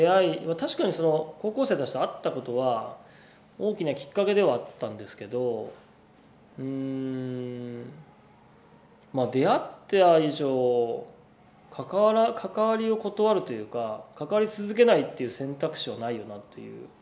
確かにその高校生たちと会ったことは大きなきっかけではあったんですけどうんまあ出会った以上関わりを断るというか関わり続けないっていう選択肢はないよなという。